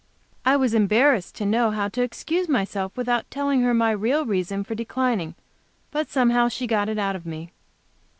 I was embarrassed to know how to excuse myself without telling her my real reason for declining. But somehow she got it out of me.